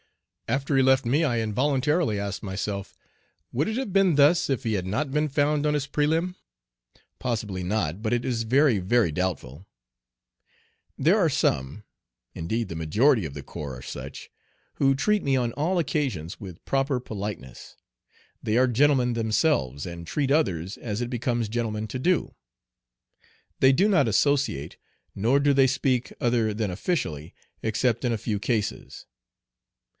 After he left me I involuntarily asked myself, "Would it have been thus if he had not been 'found on his prelim?' " Possibly not, but it is very, very doubtful. There are some, indeed the majority of the corps are such, who treat me on all occasions with proper politeness. They are gentlemen themselves, and treat others as it becomes gentlemen to do. They do not associate, nor do they speak other than officially, except in a few cases.